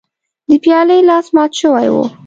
د پیالې لاس مات شوی و.